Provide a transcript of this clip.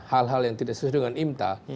hal hal yang tidak sesuai dengan imta